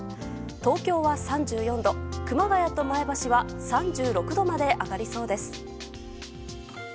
東京は３４度、熊谷と前橋は３６度まで上がりそうです。